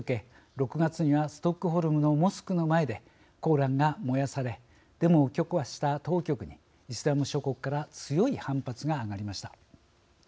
６月にはストックホルムのモスクの前で「コーラン」が燃やされデモを許可した当局にイスラム諸国から強い反発が上がりました。